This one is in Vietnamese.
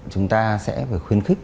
chúng ta sẽ khuyến khích